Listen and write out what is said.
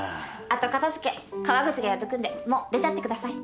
後片付け河口がやっとくんでもう出ちゃってください。